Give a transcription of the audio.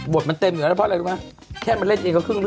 พี่จะเล่าให้ฉันฟังเลยมีแต่แบบจะตบกูทั้งวันเลยบอกขอกินหน่อยสิ